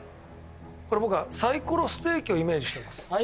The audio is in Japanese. これ僕はサイコロステーキをイメージしてます。